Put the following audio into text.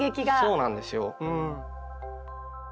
そうなんですようん。